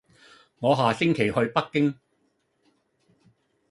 我下星期去北京